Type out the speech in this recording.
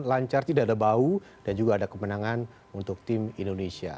lancar tidak ada bau dan juga ada kemenangan untuk tim indonesia